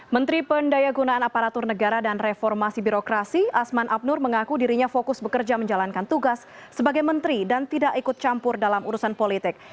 menteri pendaya gunaan aparatur negara dan reformasi birokrasi asman abnur mengaku dirinya fokus bekerja menjalankan tugas sebagai menteri dan tidak ikut campur dalam urusan politik